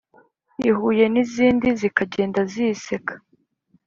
ihuye n’izindi zikagenda ziyiseka